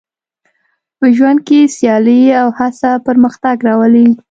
په ژوند کې سیالي او هڅه پرمختګ راولي.